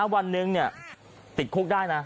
วันหนึ่งติดคุกได้นะ